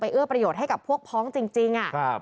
เอื้อประโยชน์ให้กับพวกพ้องจริง